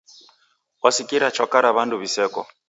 Warasikira chwaka ra w'andu w'iseko.